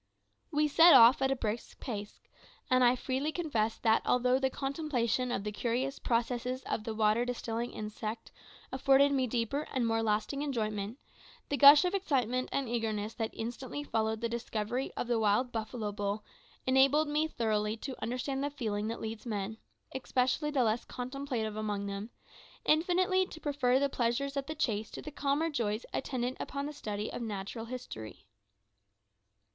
We set off at a brisk pace, and I freely confess that, although the contemplation of the curious processes of the water distilling insect afforded me deeper and more lasting enjoyment, the gush of excitement and eagerness that instantly followed the discovery of the wild buffalo bull enabled me thoroughly to understand the feeling that leads men especially the less contemplative among them infinitely to prefer the pleasures of the chase to the calmer joys attendant upon the study of natural history.